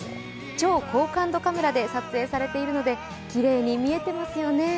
超高感度カメラで撮影されているのできれいに見えてますよね。